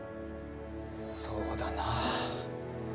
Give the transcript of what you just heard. そうだな。